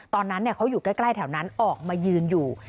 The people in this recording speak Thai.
ตอนนั้นเขาอยู่ใกล้แถวนั้นออกมายืนอยู่